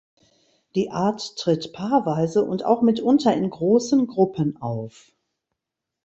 Die Art tritt paarweise und auch mitunter in großen Gruppen auf.